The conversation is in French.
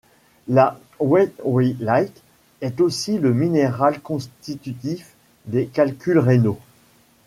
La whewellite est aussi le minéral constitutif des calculs rénaux.